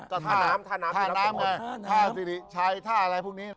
ก็ท่าน้ำท่าน้ำไงใช้ท่าอะไรพวกนี้